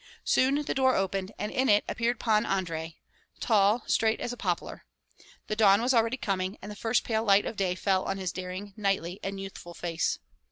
Soon the door opened, and in it appeared Pan Andrei, tall, straight as a poplar. The dawn was already coming, and the first pale light of day fell on his daring, knightly, and youthful face.